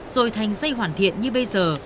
rồi thành dây hoàn thiện như bây giờ